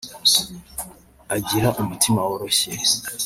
Agira umutima woroshye